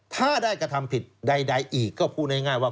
ถ้าได้กระทำผิดใดอีกก็พูดง่ายว่า